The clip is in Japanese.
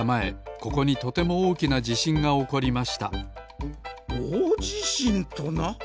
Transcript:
ここにとてもおおきなじしんがおこりましたおおじしんとな！